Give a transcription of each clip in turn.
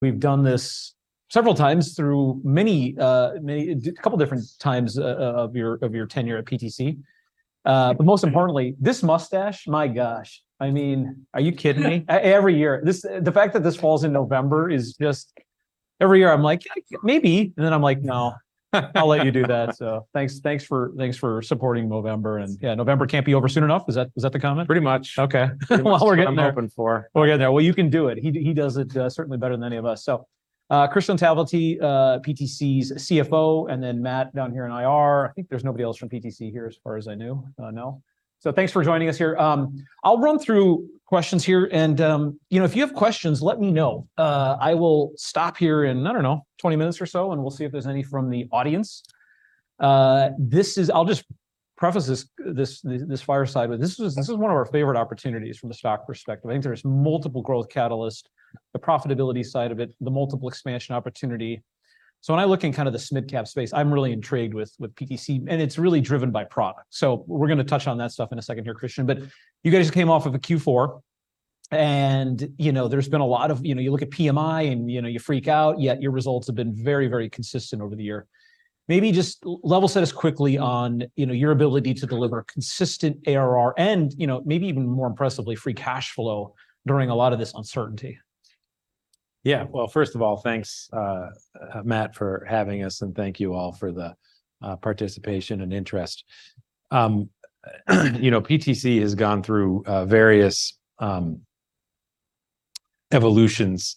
We've done this several times through many, many, a couple different times of your, of your tenure at PTC. But most importantly, this mustache, my gosh! I mean, are you kidding me? Every year. The fact that this falls in November is just... Every year I'm like, "Maybe," and then I'm like,... I'll let you do that. So thanks, thanks for, thanks for supporting Movember. And yeah, November can't be over soon enough, is that, is that the comment? Pretty much. Okay. Well, we're getting there. That's what I'm hoping for. Oh, yeah, well, you can do it. He does it certainly better than any of us. So, Kristian Talvitie, PTC's CFO, and then Matt down here in IR. I think there's nobody else from PTC here, as far as I know. So thanks for joining us here. I'll run through questions here, and, you know, if you have questions, let me know. I will stop here in, I don't know, 20 minutes or so, and we'll see if there's any from the audience. I'll just preface this fireside with this is one of our favorite opportunities from a stock perspective. I think there's multiple growth catalysts, the profitability side of it, the multiple expansion opportunity. So when I look in kind of the midcap space, I'm really intrigued with, with PTC, and it's really driven by product. So we're gonna touch on that stuff in a second here, Kristian. But you guys just came off of a Q4, and, you know, there's been a lot of, you know, you look at PMI, and, you know, you freak out, yet your results have been very, very consistent over the year. Maybe just level set us quickly on, you know, your ability to deliver consistent ARR, and, you know, maybe even more impressively, free cash flow during a lot of this uncertainty. Yeah. Well, first of all, thanks, Matt, for having us, and thank you all for the participation and interest. You know, PTC has gone through various evolutions,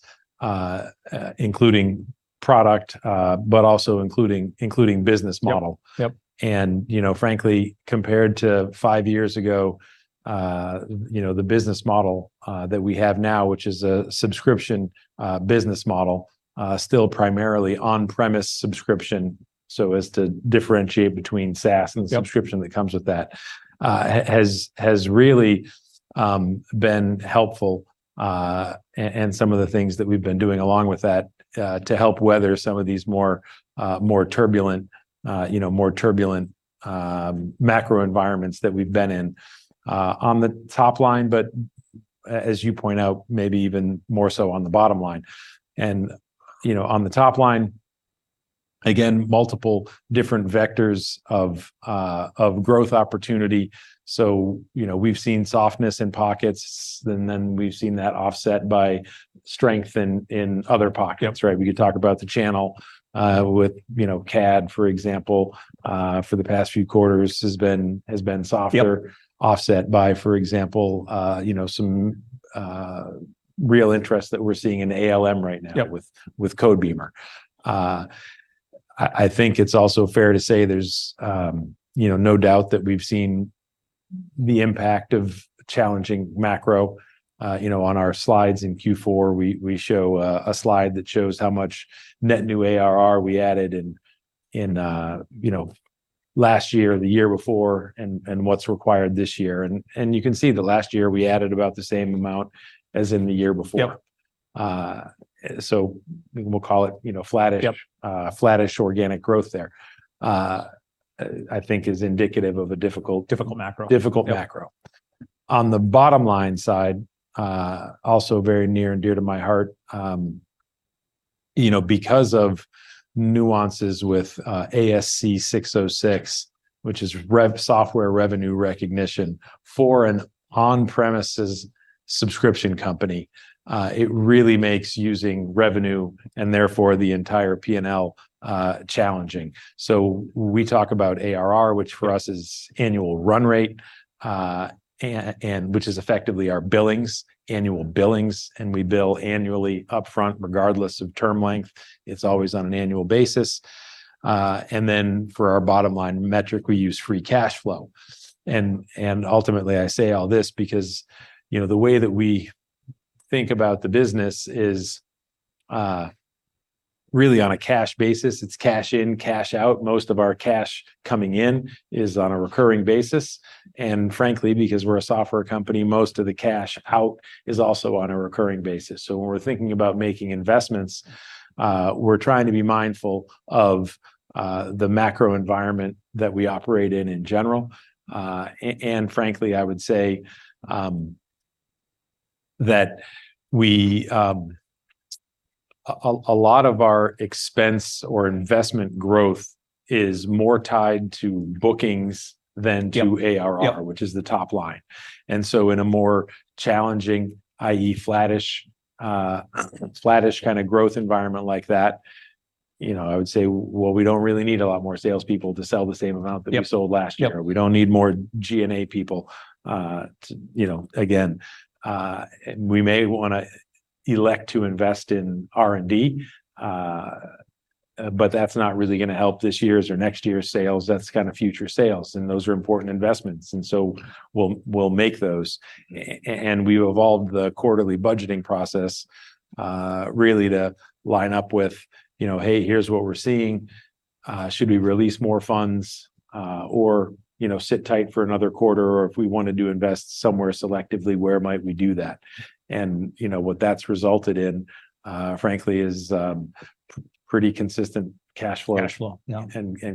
including product, but also including business model. Yep, yep. And, you know, frankly, compared to five years ago, you know, the business model that we have now, which is a subscription business model, still primarily on-premise subscription, so as to differentiate between SaaS- Yep.... and the subscription that comes with that has, has really been helpful and some of the things that we've been doing along with that to help weather some of these more more turbulent you know more turbulent macro environments that we've been in on the top line, but as you point out, maybe even more so on the bottom line. And, you know, on the top line, again, multiple different vectors of growth opportunity. So, you know, we've seen softness in pockets, and then we've seen that offset by strength in other pockets. Yep. Right, we could talk about the channel, with, you know, CAD, for example, for the past few quarters, has been, has been softer- Yep.... offset by, for example, you know, some real interest that we're seeing in ALM right now- Yep.... with Codebeamer. I think it's also fair to say there's you know, no doubt that we've seen the impact of challenging macro. You know, on our slides in Q4, we show a slide that shows how much net new ARR we added in you know, last year or the year before, and you can see that last year we added about the same amount as in the year before. Yep. So we'll call it, you know, flattish- Yep.... flattish organic growth there, I think is indicative of a difficult- Difficult macro. ... difficult macro. Yep. On the bottom line side, also very near and dear to my heart, you know, because of nuances with ASC 606, which is software revenue recognition for an on-premises subscription company, it really makes using revenue, and therefore the entire P&L, challenging. So we talk about ARR, which for us is annual run rate, and which is effectively our billings, annual billings, and we bill annually upfront regardless of term length. It's always on an annual basis. And then for our bottom line metric, we use free cash flow. And ultimately, I say all this because, you know, the way that we think about the business is really on a cash basis. It's cash in, cash out. Most of our cash coming in is on a recurring basis, and frankly, because we're a software company, most of the cash out is also on a recurring basis. So when we're thinking about making investments, we're trying to be mindful of the macro environment that we operate in in general. And frankly, I would say that we... A lot of our expense or investment growth is more tied to bookings than to ARR- Yep.... which is the top line. And so in a more challenging, i.e., flattish kind of growth environment like that, you know, I would say, well, we don't really need a lot more salespeople to sell the same amount- Yep.... that we sold last year. Yep. We don't need more G&A people to, you know... Again, we may wanna elect to invest in R&D, but that's not really gonna help this year's or next year's sales. That's kind of future sales, and those are important investments, and so we'll make those. And we've evolved the quarterly budgeting process really to line up with, you know, hey, here's what we're seeing. Should we release more funds, or, you know, sit tight for another quarter? Or if we wanted to invest somewhere selectively, where might we do that? And, you know, what that's resulted in, frankly, is pretty consistent cash flow- Cash flow, yeah.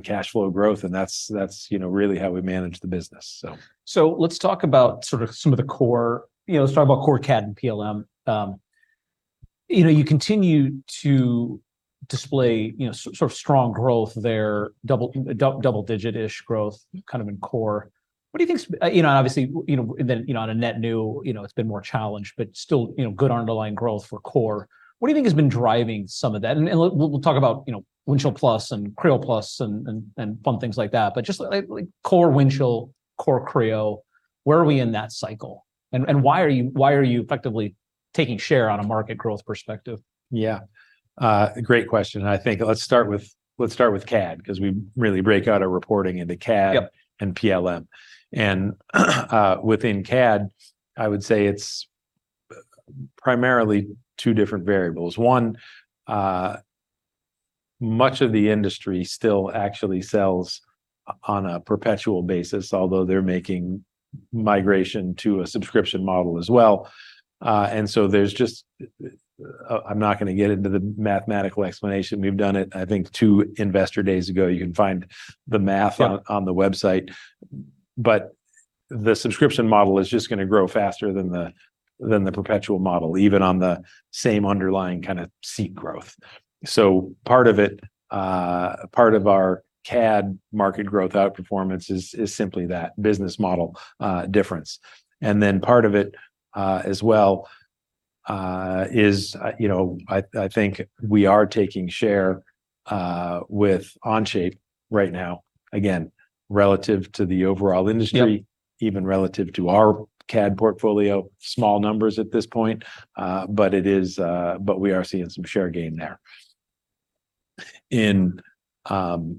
cash flow growth, and that's, you know, really how we manage the business, so. So let's talk about sort of some of the core, you know, let's talk about core CAD and PLM. You know, you continue to display, you know, sort of strong growth there, double, double digit-ish growth kind of in core. What do you think's... You know, obviously, you know, then, you know, on a net new, you know, it's been more challenged, but still, you know, good underlying growth for core. What do you think has been driving some of that? And, and we'll, we'll talk about, you know, Windchill+ and Creo+ and, and, and fun things like that, but just like, like core Windchill, core Creo, where are we in that cycle? And, and why are you, why are you effectively taking share on a market growth perspective? Yeah. Great question, and I think let's start with, let's start with CAD, 'cause we really break out our reporting into CAD- Yep.... and PLM. Within CAD, I would say it's primarily two different variables. One, much of the industry still actually sells on a perpetual basis, although they're making migration to a subscription model as well. And so there's just... I'm not gonna get into the mathematical explanation. We've done it, I think, two investor days ago. You can find the math- ...on the website. But the subscription model is just gonna grow faster than the perpetual model, even on the same underlying kind of seat growth. So part of it, part of our CAD market growth outperformance is simply that business model difference. And then part of it as well is, you know, I think we are taking share with Onshape right now, again, relative to the overall industry- Yep.... even relative to our CAD portfolio. Small numbers at this point, but it is, but we are seeing some share gain there.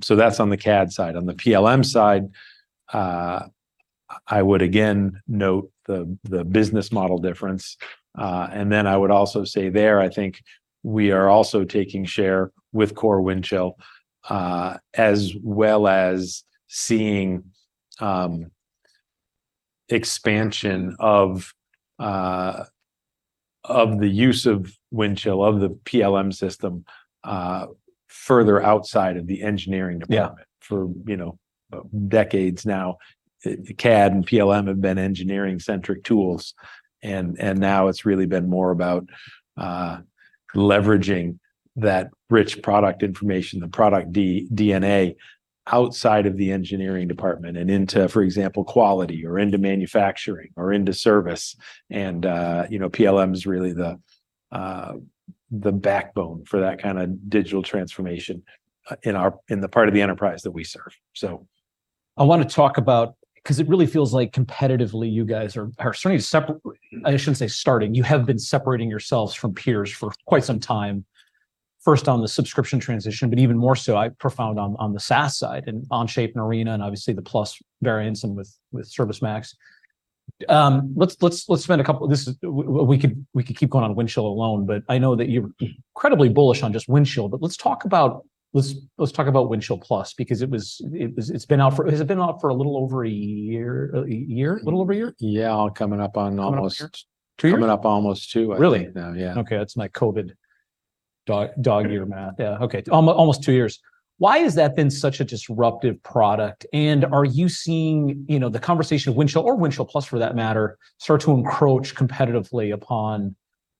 So that's on the CAD side. On the PLM side, I would again note the business model difference, and then I would also say there, I think we are also taking share with core Windchill, as well as seeing expansion of the use of Windchill, of the PLM system, further outside of the engineering department- Yeah.... for, you know, decades now, CAD and PLM have been engineering-centric tools, and now it's really been more about leveraging that rich product information, the product DNA, outside of the engineering department and into, for example, quality or into manufacturing or into service. You know, PLM is really the backbone for that kind of digital transformation in our, in the part of the enterprise that we serve, so. I wanna talk about... 'Cause it really feels like competitively, you guys are starting to separate... I shouldn't say starting. You have been separating yourselves from peers for quite some time, first on the subscription transition, but even more so on the SaaS side, and Onshape and Arena, and obviously the Plus variants and with ServiceMax. Let's spend a couple, this is, we could keep going on Windchill alone, but I know that you're incredibly bullish on just Windchill. But let's talk about Windchill+, because it's been out for, has it been out for a little over a year? Yeah, coming up on almost- Two years? Coming up almost two, I think now. Really? Yeah. Okay, that's my COVID dog, dog year math. Yeah. Yeah, okay, almost two years. Why has that been such a disruptive product? And are you seeing, you know, the conversation of Windchill, or Windchill+ for that matter, start to encroach competitively upon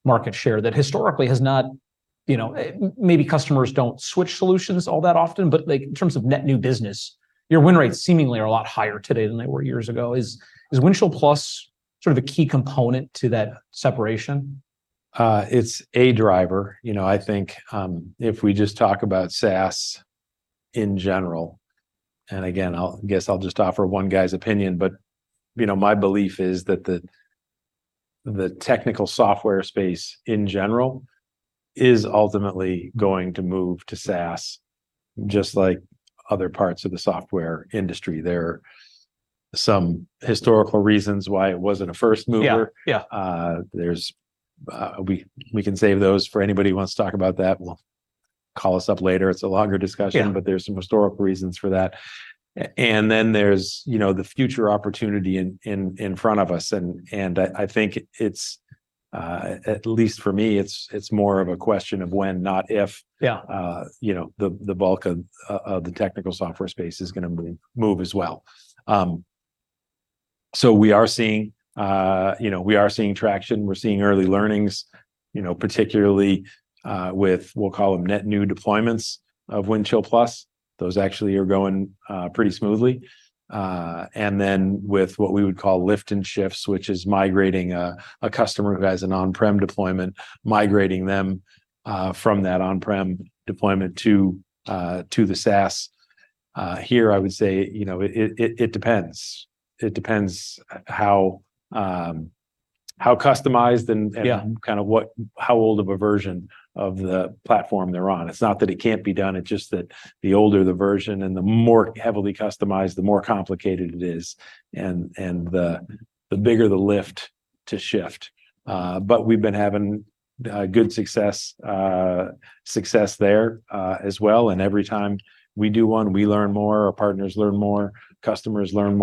market share that historically has not, you know... Maybe customers don't switch solutions all that often, but, like, in terms of net new business, your win rates seemingly are a lot higher today than they were years ago. Is Windchill+ sort of a key component to that separation? It's a driver. You know, I think, if we just talk about SaaS in general, and again, I guess I'll just offer one guy's opinion, but, you know, my belief is that the, the technical software space in general is ultimately going to move to SaaS, just like other parts of the software industry. There are some historical reasons why it wasn't a first mover. Yeah, yeah. We can save those for anybody who wants to talk about that. Well, call us up later. It's a longer discussion- Yeah.... but there's some historical reasons for that. And then there's, you know, the future opportunity in front of us, and I think it's, at least for me, it's more of a question of when, not if- Yeah.... you know, the bulk of the technical software space is gonna move as well. So we are seeing, you know, we are seeing traction. We're seeing early learnings, you know, particularly with what we'll call net new deployments of Windchill+. Those actually are going pretty smoothly. And then with what we would call lift and shifts, which is migrating a customer who has an on-prem deployment, migrating them from that on-prem deployment to the SaaS here, I would say, you know, it depends. It depends how customized and- Yeah.... and kind of what, how old of a version of the platform they're on. It's not that it can't be done, it's just that the older the version and the more heavily customized, the more complicated it is, and, and the, the bigger the lift to shift. But we've been having good success, success there, as well, and every time we do one, we learn more, our partners learn more, customers learn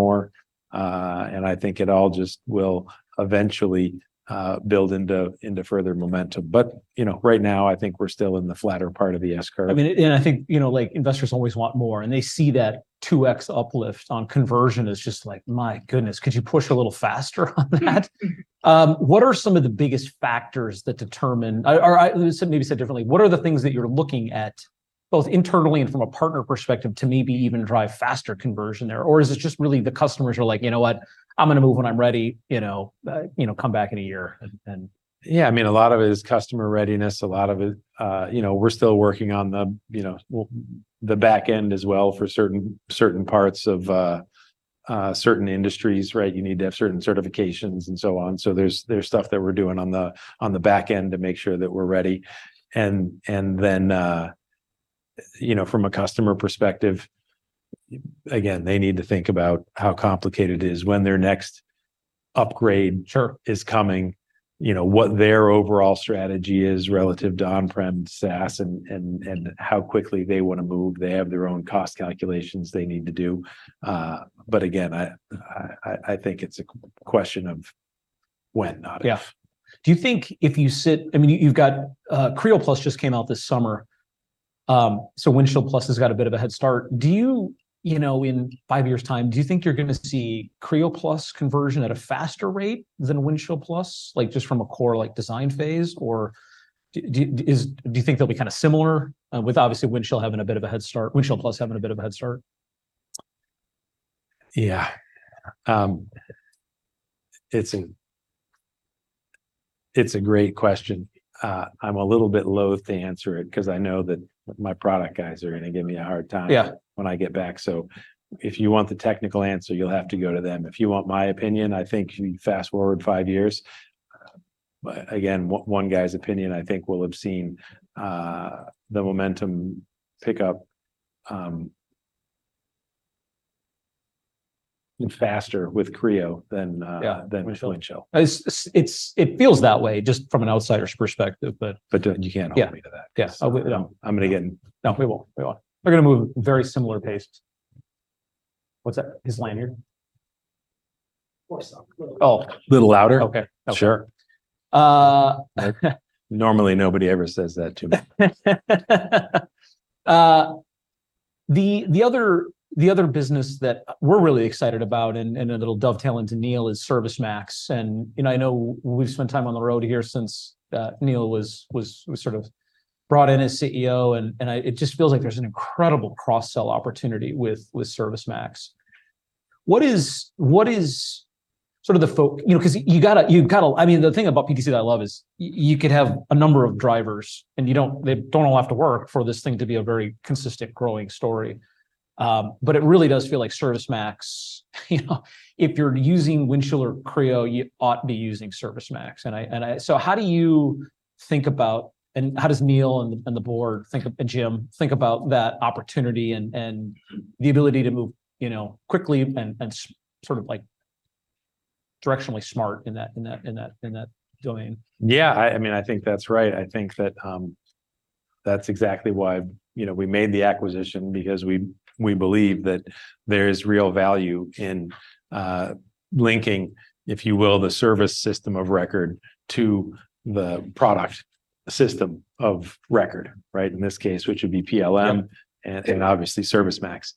more. And I think it all just will eventually build into, into further momentum. But, you know, right now, I think we're still in the flatter part of the S-curve. I mean, and I think, you know, like, investors always want more, and they see that 2x uplift on conversion as just like, "My goodness, could you push a little faster on that?" What are some of the biggest factors that determine... I, or I, so maybe said differently, what are the things that you're looking at both internally and from a partner perspective, to maybe even drive faster conversion there? Or is it just really the customers are like, "You know what? I'm gonna move when I'm ready, you know. You know, come back in a year," and- Yeah, I mean, a lot of it is customer readiness. A lot of it, you know, we're still working on the, you know, well, the back end as well for certain, certain parts of, certain industries, right? You need to have certain certifications, and so on. So there's, there's stuff that we're doing on the, on the back end to make sure that we're ready. And, and then, you know, from a customer perspective, again, they need to think about how complicated it is, when their next upgrade- Sure.... is coming, you know, what their overall strategy is relative to on-prem SaaS and how quickly they wanna move. They have their own cost calculations they need to do. But again, I think it's a question of when, not if. Yeah. Do you think I mean, you've got, Creo+ just came out this summer. So Windchill+ has got a bit of a head start. Do you, you know, in five years' time, do you think you're gonna see Creo+ conversion at a faster rate than Windchill+, like, just from a core, like, design phase? Or do you think they'll be kind of similar, with obviously Windchill having a bit of a head start, Windchill+ having a bit of a head start? Yeah. It's a great question. I'm a little bit loathe to answer it, 'cause I know that my product guys are gonna give me a hard time- Yeah.... when I get back. So if you want the technical answer, you'll have to go to them. If you want my opinion, I think if you fast-forward five years, again, one guy's opinion, I think we'll have seen the momentum pick up faster with Creo than- Yeah.... than Windchill. It feels that way, just from an outsider's perspective, but- But you can't hold me to that. Yeah. Yes. I'm gonna get in- No, we won't. We won't. They're gonna move at very similar pace. What's that? His lanyard? Oh. Little louder? Okay. Okay. Sure. Uh- Normally, nobody ever says that to me. The other business that we're really excited about, and it'll dovetail into Neil, is ServiceMax. And I know we've spent time on the road here since Neil was sort of brought in as CEO, and it just feels like there's an incredible cross-sell opportunity with ServiceMax. What is sort of the fo- You know, 'cause you gotta... I mean, the thing about PTC that I love is, you could have a number of drivers, and they don't all have to work for this thing to be a very consistent growing story. But it really does feel like ServiceMax, you know, if you're using Windchill or Creo, you ought to be using ServiceMax. So how do you think about, and how does Neil and the board and Jim think about that opportunity, and the ability to move, you know, quickly and sort of like directionally smart in that domain? Yeah, I mean, I think that's right. I think that, that's exactly why, you know, we made the acquisition, because we believe that there is real value in, linking, if you will, the service system of record to the product system of record, right? In this case, which would be PLM and obviously ServiceMax.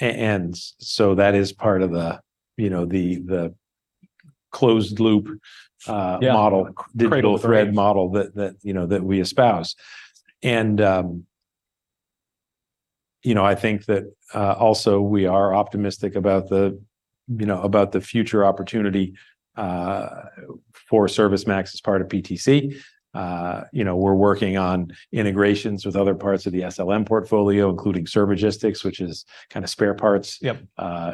And so that is part of the, you know, the closed loop model- Yeah.... cradle-to-grave model that you know that we espouse. You know, I think that also we are optimistic about the future opportunity for ServiceMax as part of PTC. You know, we're working on integrations with other parts of the SLM portfolio, including Servigistics, which is kind of spare parts- Yep....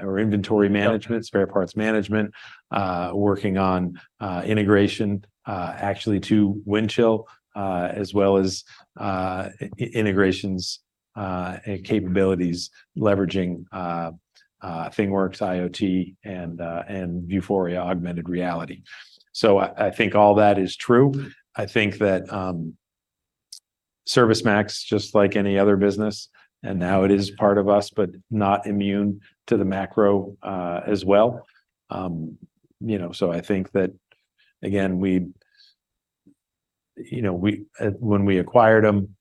or inventory management spare parts management. Working on integration, actually to Windchill, as well as integrations and capabilities leveraging ThingWorx, IoT, and Vuforia augmented reality. So I think all that is true. I think that ServiceMax, just like any other business, and now it is part of us, but not immune to the macro, as well. You know, so I think that, again, we, you know, we, when we acquired them,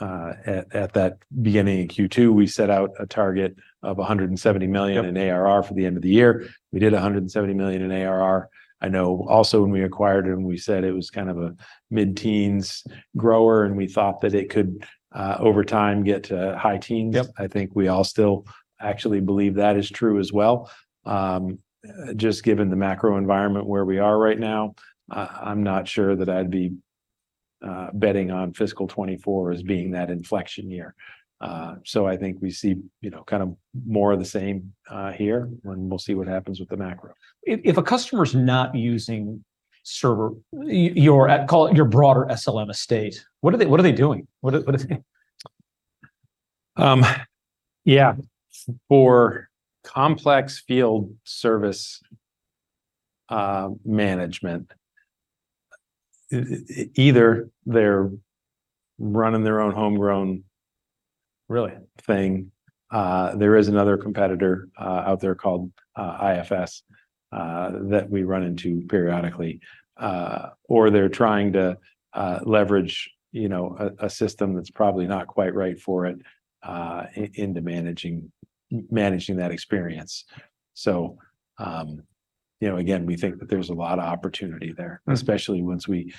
at that beginning in Q2, we set out a target of $170 million- ...in ARR for the end of the year. We did $170 million in ARR. I know also when we acquired them, we said it was kind of a mid-teens grower, and we thought that it could, over time, get to high teens. Yep. I think we all still actually believe that is true as well. Just given the macro environment where we are right now, I'm not sure that I'd be betting on fiscal 2024 as being that inflection year. So I think we see, you know, kind of more of the same here, and we'll see what happens with the macro. If a customer's not using server-your, call it your broader SLM estate, what are they doing? What are they- Yeah, for complex field service management, either they're running their own homegrown, really, thing. There is another competitor out there called IFS that we run into periodically. Or they're trying to leverage, you know, a system that's probably not quite right for it into managing that experience. So, you know, again, we think that there's a lot of opportunity there, especially once we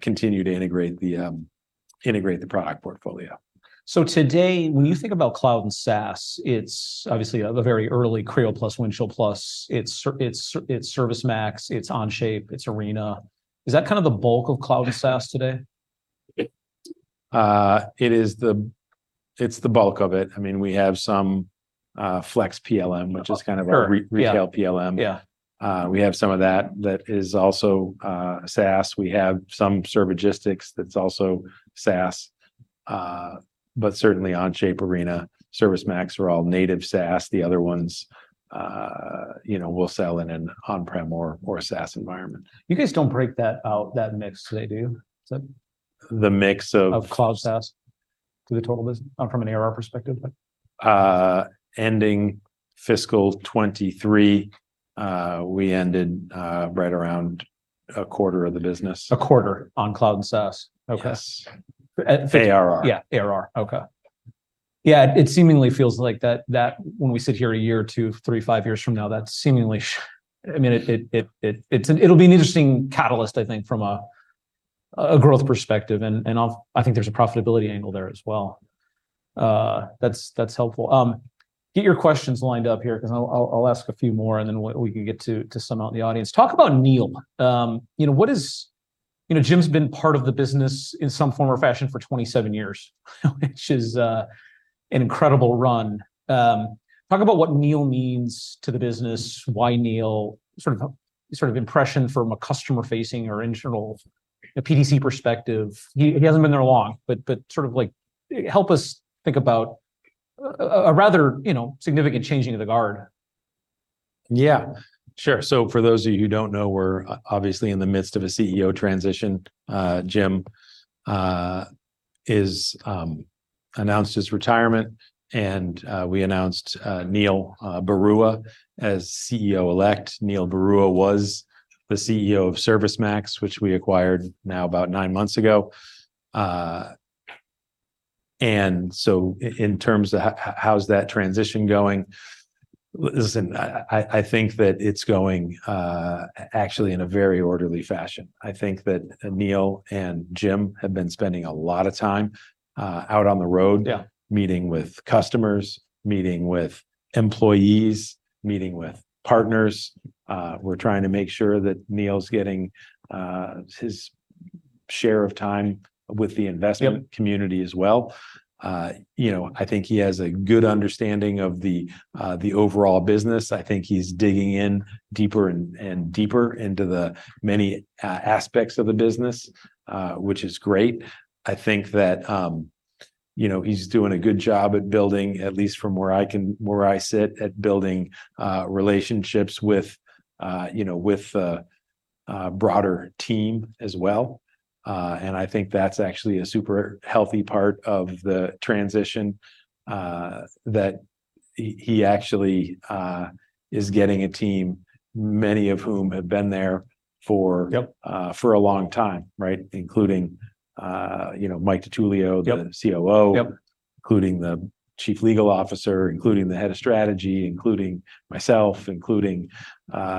continue to integrate the product portfolio. So today, when you think about cloud and SaaS, it's obviously very early Creo+, Windchill+, it's ServiceMax, it's Onshape, it's Arena. Is that kind of the bulk of cloud and SaaS today? It's the bulk of it. I mean, we have some FlexPLM which is kind of a re- Yeah.... retail PLM. Yeah. We have some of that, that is also SaaS. We have some Servigistics, that's also SaaS. But certainly Onshape, Arena, ServiceMax are all native SaaS. The other ones, you know, we'll sell in an on-prem or, or a SaaS environment. You guys don't break that out, that mix today, do you? Is that- The mix of- Of cloud SaaS to the total business, from an ARR perspective like? Ending fiscal 2023, we ended right around a quarter of the business. A quarter on cloud and SaaS? Yes. Okay. At- ARR. Yeah, ARR. Okay. Yeah, it seemingly feels like that, that when we sit here a year or two, three, five years from now, that's seemingly... I mean, it'll be an interesting catalyst, I think, from a growth perspective, and I think there's a profitability angle there as well. That's helpful. Get your questions lined up here, 'cause I'll ask a few more, and then we can get to some out in the audience. Talk about Neil. You know, what is... You know, Jim's been part of the business in some form or fashion for 27 years, which is an incredible run. Talk about what Neil means to the business. Why Neil? Sort of an impression from a customer-facing or internal PTC perspective. He hasn't been there long, but sort of like, help us think about a rather, you know, significant changing of the guard. Yeah, sure. So for those of you who don't know, we're obviously in the midst of a CEO transition. Jim is announced his retirement, and we announced Neil Barua as CEO-elect. Neil Barua was the CEO of ServiceMax, which we acquired now about nine months ago. And so in terms of how's that transition going, listen, I think that it's going actually in a very orderly fashion. I think that Neil and Jim have been spending a lot of time out on the road- Yeah.... meeting with customers, meeting with employees, meeting with partners. We're trying to make sure that Neil's getting his share of time with the investment- Yep.... community as well. You know, I think he has a good understanding of the overall business. I think he's digging in deeper and deeper into the many aspects of the business, which is great. I think that, you know, he's doing a good job at building, at least from where I sit, at building relationships with, you know, with a broader team as well. And I think that's actually a super healthy part of the transition, that he actually is getting a team, many of whom have been there for- Yep.... for a long time, right? Including, you know, Mike DiTullio- Yep.... the COO- Yep.... including the chief legal officer, including the head of strategy, including myself, including,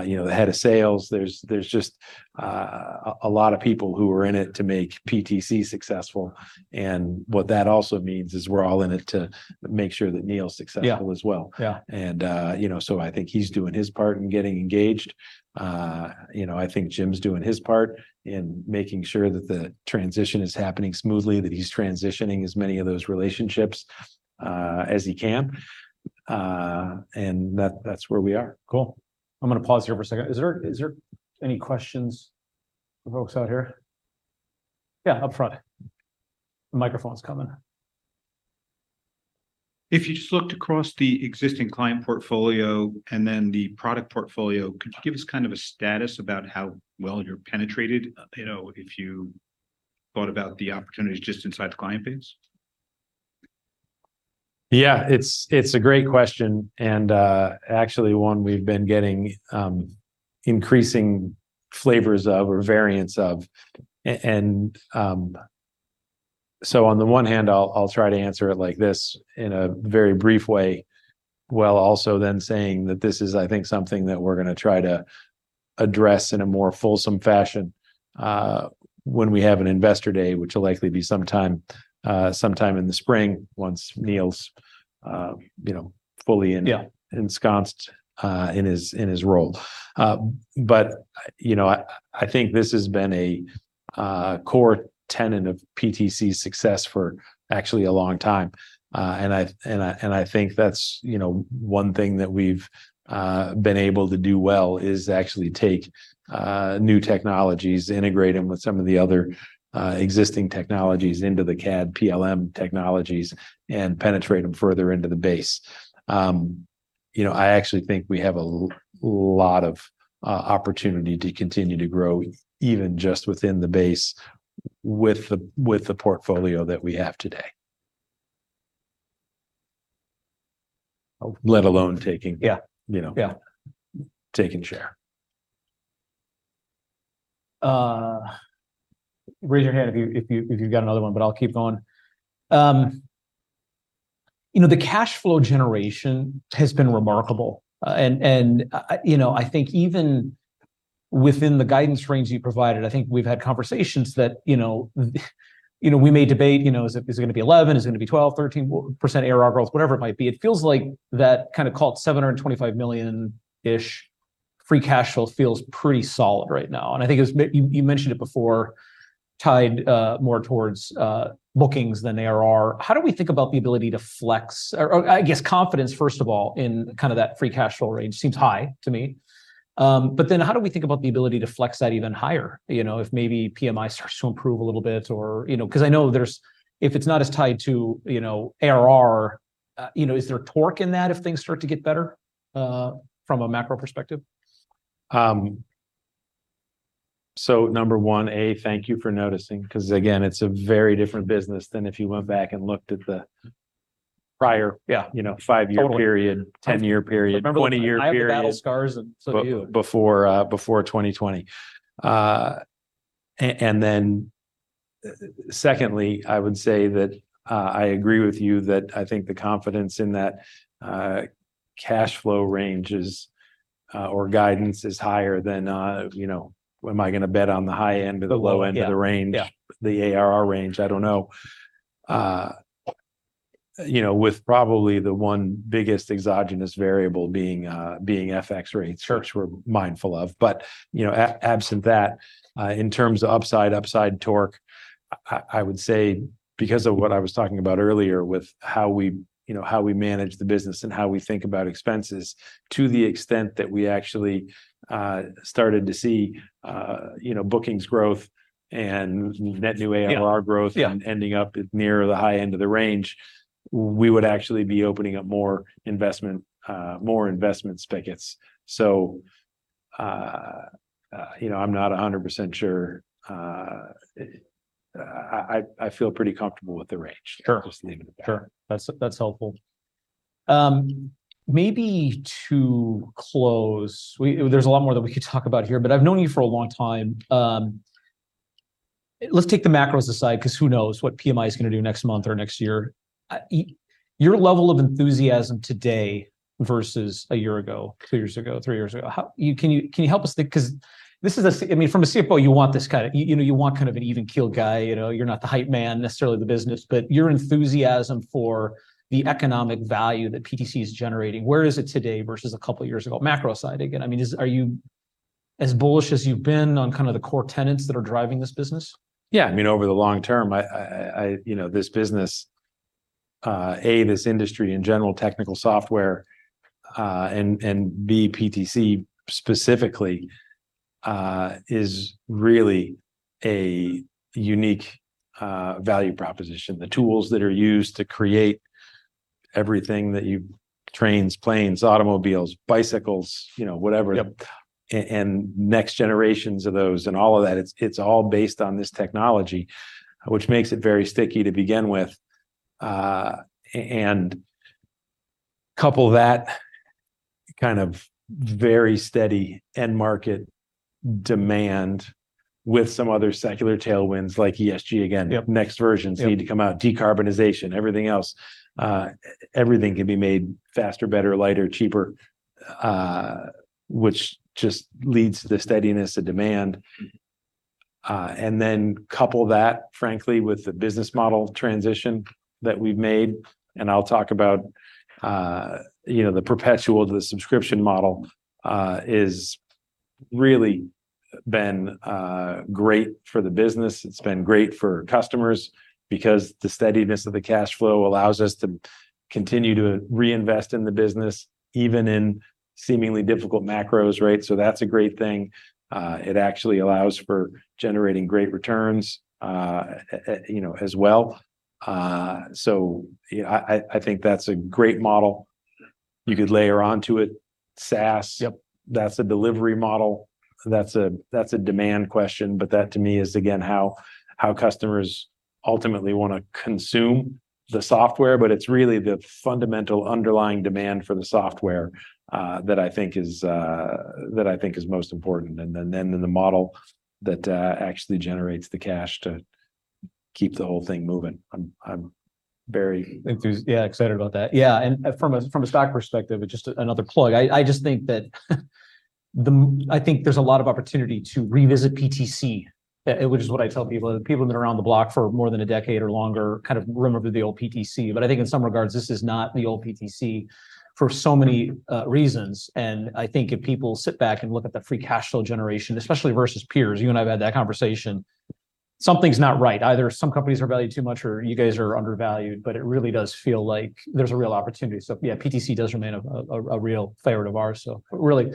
you know, the head of sales. There's just a lot of people who are in it to make PTC successful, and what that also means is we're all in it to make sure that Neil's successful- Yeah.... as well. Yeah. You know, so I think he's doing his part in getting engaged. You know, I think Jim's doing his part in making sure that the transition is happening smoothly, that he's transitioning as many of those relationships as he can. And that's where we are. Cool. I'm gonna pause here for a second. Is there, is there any questions for folks out here? Yeah, up front. The microphone's coming. If you just looked across the existing client portfolio and then the product portfolio, could you give us kind of a status about how well you're penetrated, you know, if you thought about the opportunities just inside the client base? Yeah, it's a great question, and actually one we've been getting, increasing flavors of or variants of. And so on the one hand, I'll try to answer it like this in a very brief way, while also then saying that this is, I think, something that we're gonna try to address in a more fulsome fashion, when we have an investor day, which will likely be sometime, sometime in the spring, once Neil's you know fully- Yeah.... ensconced in his role. But you know, I think this has been a core tenet of PTC's success for actually a long time. And I think that's you know one thing that we've been able to do well, is actually take new technologies, integrate them with some of the other existing technologies into the CAD PLM technologies, and penetrate them further into the base. You know, I actually think we have a lot of opportunity to continue to grow, even just within the base with the portfolio that we have today. Let alone taking- Yeah. You know? Yeah. Taking share. Raise your hand if you, if you, if you've got another one, but I'll keep going. You know, the cash flow generation has been remarkable. And you know, I think even within the guidance range you provided, I think we've had conversations that, you know, you know, we may debate, you know, is it, is it gonna be 11%, is it gonna be 12%, 13% ARR growth, whatever it might be. It feels like that kind of, call it $725 million-ish free cash flow feels pretty solid right now, and I think it was you, you mentioned it before, tied more towards bookings than ARR. How do we think about the ability to flex or, or I guess confidence, first of all, in kind of that free cash flow range? Seems high to me. But then how do we think about the ability to flex that even higher? You know, if maybe PMI starts to improve a little bit or, you know, 'cause I know there's... If it's not as tied to, you know, ARR, you know, is there torque in that if things start to get better, from a macro perspective? So, number one, A, thank you for noticing, 'cause again, it's a very different business than if you went back and looked at the prior- Yeah.... you know, five-year-period, 10-year period- Remember- 20-year period-... I have battle scars, and so do you. Before, before 2020. And then, secondly, I would say that I agree with you, that I think the confidence in that cash flow range is or guidance is higher than, you know, am I gonna bet on the high end or the low end- Yeah.... of the range- Yeah. The ARR range, I don't know. You know, with probably the one biggest exogenous variable being FX rates- Sure.... which we're mindful of. But, you know, absent that, in terms of upside, upside torque, I would say, because of what I was talking about earlier with how we, you know, how we manage the business and how we think about expenses, to the extent that we actually started to see, you know, bookings growth and net new ARR growth- Yeah, yeah.... and ending up at near the high end of the range, we would actually be opening up more investment spigots. So, you know, I'm not 100% sure. I feel pretty comfortable with the range. Sure. Just leaving it there. Sure, that's, that's helpful. Maybe to close, there's a lot more that we could talk about here, but I've known you for a long time. Let's take the macros aside, 'cause who knows what PMI is gonna do next month or next year? Your level of enthusiasm today versus a year ago, two years ago, three years ago, how... can you help us think? 'Cause this is... I mean, from a CFO, you want this kind of... You know, you want kind of an even-keel guy. You know, you're not the hype man, necessarily the business, but your enthusiasm for the economic value that PTC is generating, where is it today versus a couple of years ago? Macro aside, again, I mean, is it, are you as bullish as you've been on kind of the core tenets that are driving this business? Yeah. I mean, over the long term, I you know, this business, A, this industry in general, technical software, and, and, B, PTC specifically, is really a unique value proposition. The tools that are used to create everything that you... trains, planes, automobiles, bicycles, you know, whatever- Yep.... and next generations of those and all of that, it's all based on this technology, which makes it very sticky to begin with. And couple that kind of very steady end market demand with some other secular tailwinds, like ESG, again next versions need to come out. Yep. Decarbonization, everything else. Everything can be made faster, better, lighter, cheaper, which just leads to the steadiness of demand. And then couple that, frankly, with the business model transition that we've made, and I'll talk about, you know, the perpetual to the subscription model, is really been great for the business. It's been great for customers, because the steadiness of the cash flow allows us to continue to reinvest in the business, even in seemingly difficult macros, right? So that's a great thing. It actually allows for generating great returns, you know, as well. So, you know, I think that's a great model. You could layer onto it, SaaS- Yep. ... that's a delivery model. That's a demand question, but that to me is again how customers ultimately wanna consume the software. But it's really the fundamental underlying demand for the software that I think is most important, and then the model that actually generates the cash to keep the whole thing moving. I'm very- Yeah, excited about that. Yeah, and from a stock perspective, just another plug, I just think that the... I think there's a lot of opportunity to revisit PTC, which is what I tell people. People who've been around the block for more than a decade or longer kind of remember the old PTC. But I think in some regards, this is not the old PTC for so many reasons. And I think if people sit back and look at the free cash flow generation, especially versus peers, you and I have had that conversation, something's not right. Either some companies are valued too much or you guys are undervalued, but it really does feel like there's a real opportunity. So yeah, PTC does remain a real favorite of ours. So really,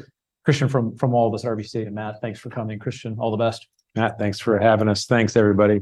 Kristian, from all of us at RBC and Matt, thanks for coming. Kristian, all the best. Matt, thanks for having us. Thanks, everybody.